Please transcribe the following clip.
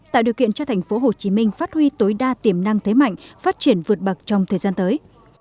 tạo điều kiện cho tp hcm phát huy tối đa tiềm năng thế mạnh phát triển vượt bậc trong thời gian tới